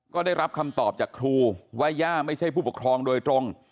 ก็ได้รับคำตอบจากครูว่าย่าไม่ใช่ผู้ปกครองโดยตรง